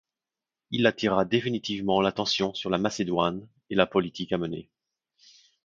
Il attira définitivement l'attention sur la Macédoine et la politique à mener.